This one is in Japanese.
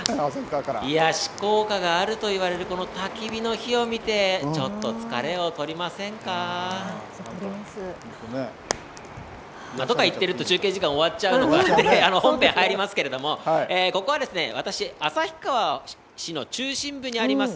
癒やし効果があるというこのたき火の火を見て、ちょっと疲れを取りませんか。とか言っていると、中継時間終わっちゃうので、本編入りますけれども、ここはですね、私、旭川市の中心部にあります